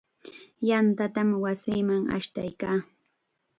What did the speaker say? Yantatam wasinman ashtaykan.